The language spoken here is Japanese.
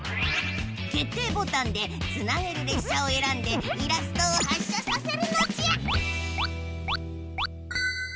決定ボタンでつなげるれっしゃをえらんでイラストを発車させるのじゃ！